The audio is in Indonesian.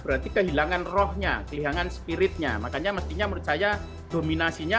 berarti kehilangan rohnya kehilangan spiritnya makanya mestinya menurut saya dominasinya